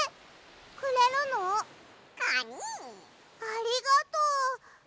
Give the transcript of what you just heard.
ありがとう！